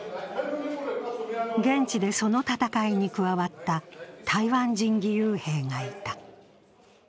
現地でその戦いに加わった台湾人義勇兵がいた。